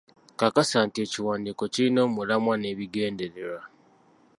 Kakasa nti ekiwandiiko kirina omulamwa, n’ebigendererwa.